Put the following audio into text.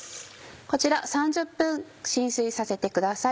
こちら３０分浸水させてください。